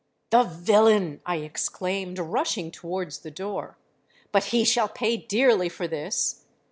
'—'The villain!' I exclaimed, rushing towards the door: 'but he shall pay dearly for this!'